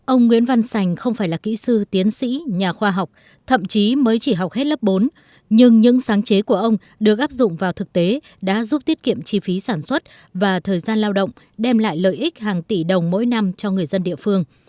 ông nguyễn văn sành không phải là kỹ sư tiến sĩ nhà khoa học thậm chí mới chỉ học hết lớp bốn nhưng những sáng chế của ông được áp dụng vào thực tế đã giúp tiết kiệm chi phí sản xuất và thời gian lao động đem lại lợi ích hàng tỷ đồng mỗi năm cho người dân địa phương